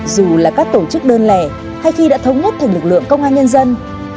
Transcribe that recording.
dù là các tổ chức đơn lẻ hay khi đã thống nhất thành lực lượng công an nhân dân